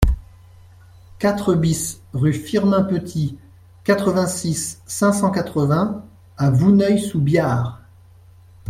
quatre BIS rue Firmin Petit, quatre-vingt-six, cinq cent quatre-vingts à Vouneuil-sous-Biard